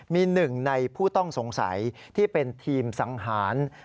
มีหนึ่งในผู้ต้องสงสัยที่เป็นทีมสังหาร